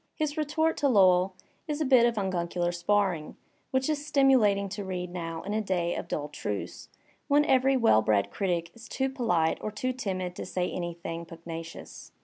His retort to Lowell is a bit of unguicular sparring, which it is stimulating to read now in a day of dull truce, when every well bred critic is too polite or too timid to say anything pugnacious.